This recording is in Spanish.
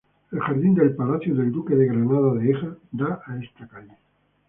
El jardín del palacio del Duque de Granada de Ega da a esta calle.